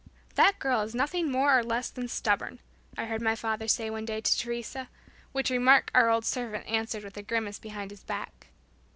"That girl is nothing more or less than stubborn," I heard my father say one day to Teresa; which remark our old servant answered with a grimace behind his back.